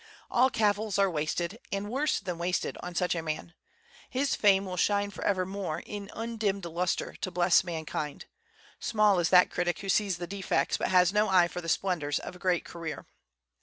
All cavils are wasted, and worse than wasted, on such a man. His fame will shine forevermore, in undimmed lustre, to bless mankind. Small is that critic who sees the defects, but has no eye for the splendors, of a great career!